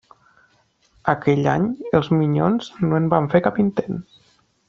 Aquell any, els Minyons no en van fer cap intent.